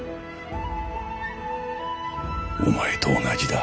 お前と同じだ。